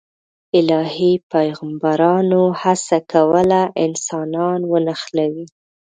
الهي پیغمبرانو هڅه کوله انسانان ونښلوي.